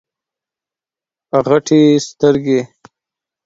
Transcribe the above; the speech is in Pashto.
غټي سترګي